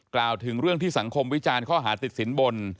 กล่าวถึงเรื่องที่สังคมวิจารณ์ข้อหาติดสินบน